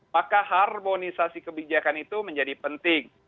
maka harmonisasi kebijakan itu menjadi penting